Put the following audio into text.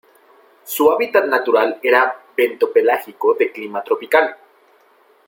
Su hábitat natural era bentopelágico de clima tropical.